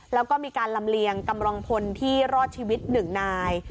แล้วก็มีการลำเลียงกำลังพลที่รอดชีวิต๑นาย